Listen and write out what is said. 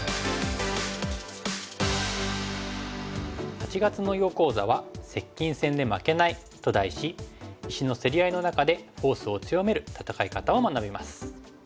８月の囲碁講座は「接近戦で負けない」と題し石の競り合いの中でフォースを強める戦い方を学びます。